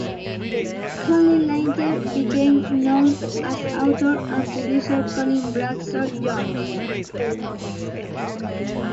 Colin later became known as author and publisher Colin Bradshaw-Jones.